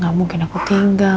gak mungkin aku tinggal